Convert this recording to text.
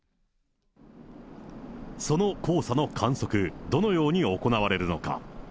その黄砂の観測、どのように行われるのか。